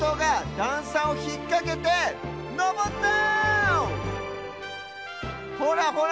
だんさをひっかけてのぼってる！